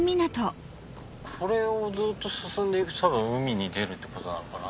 これをずっと進んで行くと海に出るってことなのかな？